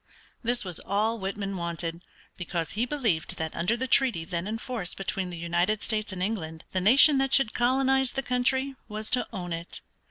This was all Whitman wanted, because he believed that under the treaty then in force between the United States and England the nation that should colonize the country was to own it.